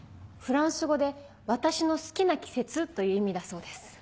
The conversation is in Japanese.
フランス語で「私の好きな季節」という意味だそうです。